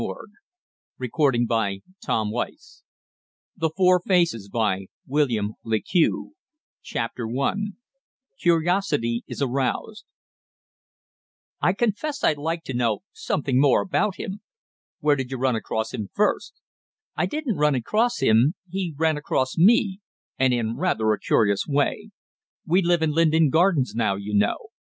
THE FACES UNMASKED CONCLUSION THE FOUR FACES CHAPTER I CURIOSITY IS AROUSED "I confess I'd like to know somethin' more about him." "Where did you run across him first?" "I didn't run across him; he ran across me, and in rather a curious way. We live in Linden Gardens now, you know.